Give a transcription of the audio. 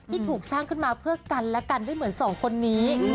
ที่ถูกสร้างขึ้นมาเพื่อกันและกันได้เหมือนสองคนนี้